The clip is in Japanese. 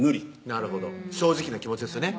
なるほど正直な気持ちですよね